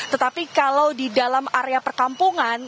tetapi kalau di dalam area perkampungan